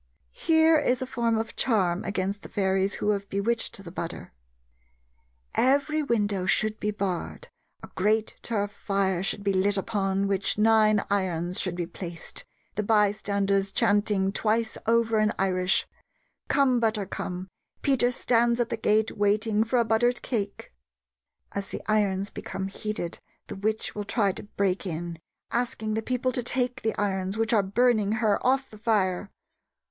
Here is a form of charm against the fairies who have bewitched the butter: "Every window should be barred, a great turf fire should be lit upon which nine irons should be placed, the bystanders chanting twice over in Irish, 'Come, butter, come; Peter stands at the gate waiting for a buttered cake.' As the irons become heated the witch will try to break in, asking the people to take the irons, which are burning her, off the fire.